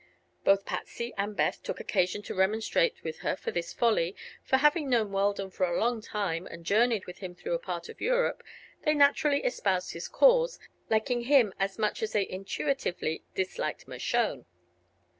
Both Patsy and Beth took occasion to remonstrate with her for this folly, for having known Weldon for a long time and journeyed with him through a part of Europe, they naturally espoused his cause, liking him as much as they intuitively disliked Mershone.